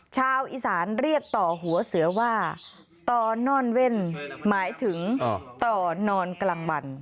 ชาวอีสานเรียกต่อหัวเสือว่าตอนนอนเว่นหมายถึงต่อนอนกลางวัน